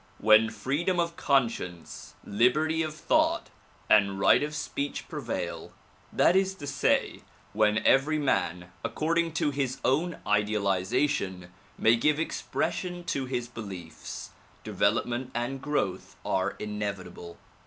When freedom of conscience, liberty of thought and right of speech prevail, that is to say, when every man according to his own idealization may give expression to his beliefs, development and growth are inevitable.